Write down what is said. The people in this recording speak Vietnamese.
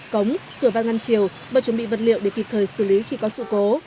cống cửa van ngăn chiều và chuẩn bị vật liệu để kịp thời xử lý khi có sự cố